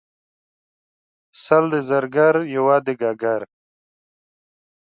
سل د زرګر یو دګګر.